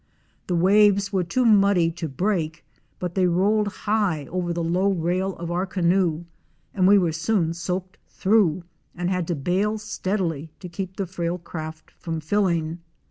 The waves were too muddy to break, but they rolled high over the low rail of our canoe and we were soon soaked through and had to bail steadily to keep the frail craft from filling.